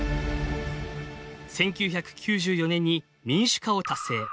１９９４年に民主化を達成。